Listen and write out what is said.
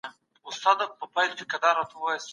دا کس قوم او خپلوان نلري.